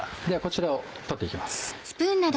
ではこちらを取って行きます。